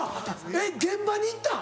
えっ現場に行ったん？